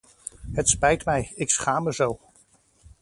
Het spijt mij, ik schaam me zo.